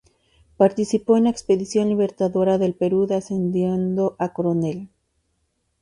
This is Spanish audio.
Participó en la Expedición Libertadora del Perú de ascendiendo a coronel.